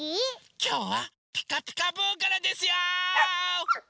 きょうは「ピカピカブ！」からですよ！